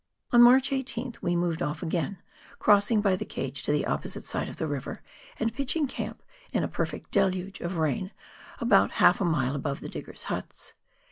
On March 18th we moved ofi again, crossing by the cage to the opposite side of the river, and pitching camp, in a perfect deluge of rain, about half a mile above the diggers' huts.